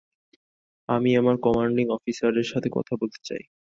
আমি আমার কমান্ডিং অফিসারের সাথে কথা বলতে চাই।